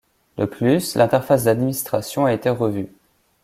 De plus, l'interface d'administration a été revue.